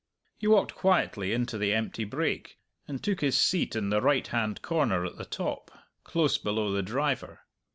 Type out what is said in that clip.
He walked quietly into the empty brake, and took his seat in the right hand corner at the top, close below the driver.